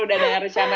udah ada rencana